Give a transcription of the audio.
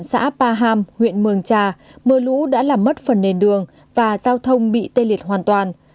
từ địa phận xã pa ham huyện mường trà mưa lũ đã làm mất phần nền đường và giao thông bị tê liệt hoàn toàn